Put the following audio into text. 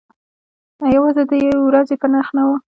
یوازې د ورځې په نرخ نه و.